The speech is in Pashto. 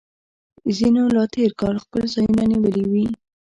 ځینو لا تیر کال خپل ځایونه نیولي وي